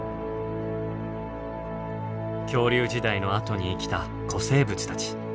恐竜時代のあとに生きた古生物たち。